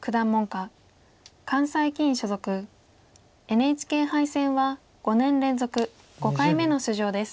ＮＨＫ杯戦は５年連続５回目の出場です。